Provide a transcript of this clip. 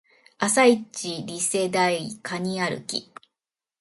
朝イチリセ台カニ歩き